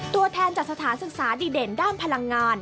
ตัวแทนจากสถานศึกษาดีเด่นด้านพลังงาน